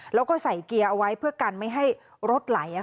แล้วก็ใส่เกียร์เอาไว้เพื่อกันไม่ให้รถไหล